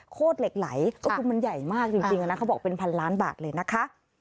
เหล็กไหลก็คือมันใหญ่มากจริงนะเขาบอกเป็นพันล้านบาทเลยนะคะ